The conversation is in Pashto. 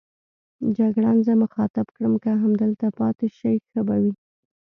جګړن زه مخاطب کړم: که همدلته پاتې شئ ښه به وي.